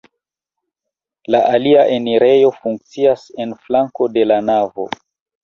La alia enirejo funkcias en flanko de la navo.